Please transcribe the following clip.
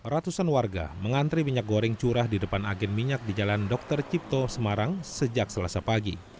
ratusan warga mengantri minyak goreng curah di depan agen minyak di jalan dr cipto semarang sejak selasa pagi